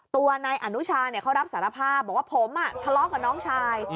ตัวนายอนุชาเขารับสารภาพบอกว่าผมทะเลาะกับน้องชาย